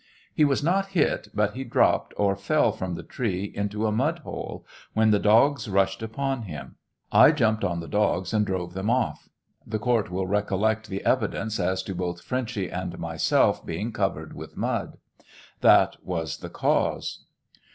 He was not hit, but he dropped or fell from the tree into a mud hole, when the dogs rushed upon him. I jumped on the dogs and drove them off. The court will recollect the evidence as to both Frenchy and myself being covered with mud. That was the cause.